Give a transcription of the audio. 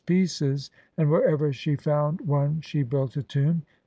LXXXI pieces, and wherever she found one she built a tomb.